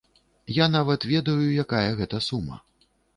Я нават ведаю, якая гэта сума.